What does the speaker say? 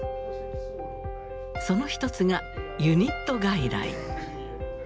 その一つがユニット外来。